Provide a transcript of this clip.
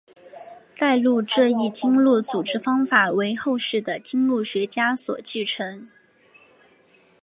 代录这一经录组织方法为后世的经录学家所继承。